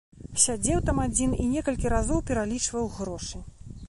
Сядзеў там адзін і некалькі разоў пералічваў грошы.